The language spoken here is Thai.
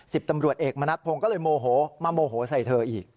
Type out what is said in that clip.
ตำรวจเอกมณัฐพงศ์ก็เลยโมโหมาโมโหใส่เธออีก